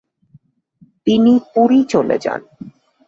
তিনি পুরী চলে যান।